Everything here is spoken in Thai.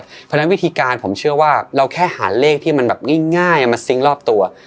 เพราะฉะนั้นวิธีการผมเชื่อว่าเราแค่หาเลขที่มันแบบง่ายมาซิงค์รอบตัว